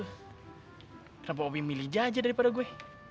kenapa opi milih jajah daripada gue